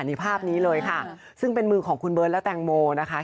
นี่ภาพนี้เลยค่ะซึ่งเป็นมือของคุณเบิร์ตและแตงโมนะคะ